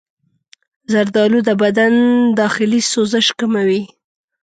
زردآلو د بدن داخلي سوزش کموي.